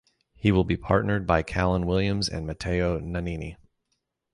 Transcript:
He will be partnered by Calan Williams and Matteo Nannini.